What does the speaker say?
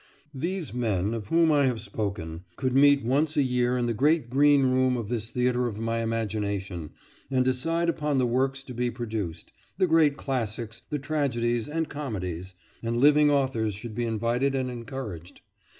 These men of whom I have spoken could meet once a year in the great green room of this theatre of my imagination, and decide upon the works to be produced the great classics, the tragedies and comedies; and living authors should be invited and encouraged.